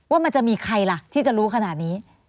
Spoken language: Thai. ว่ามันจะมีใครล่ะที่จะรู้ขนาดนี้